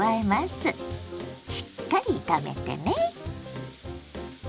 しっかり炒めてね。